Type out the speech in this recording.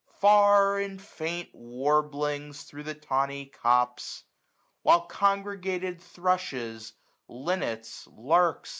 Far, in faint warblings, thro' the tawny copse. While congregated thrushes, linnets, larks.